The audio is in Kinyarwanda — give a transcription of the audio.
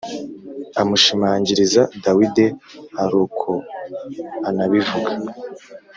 amushimagiriza Dawidi aroko anabivuga